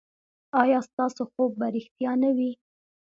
ایا ستاسو خوب به ریښتیا نه وي؟